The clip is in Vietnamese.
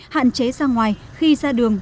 hạn chế ra ngoài khi ra đường